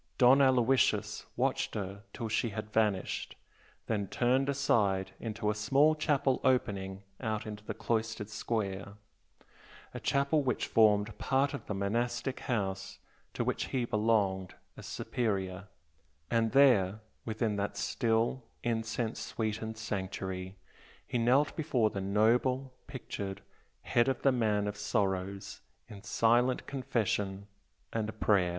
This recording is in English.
Don Aloysius watched her till she had vanished, then turned aside into a small chapel opening out on the cloistered square a chapel which formed part of the monastic house to which he belonged as Superior, and there, within that still, incense sweetened sanctuary, he knelt before the noble, pictured Head of the Man of Sorrows in silent confession and prayer.